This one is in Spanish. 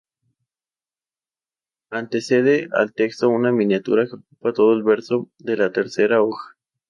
Antecede al texto una miniatura que ocupa todo el verso de la tercera hoja.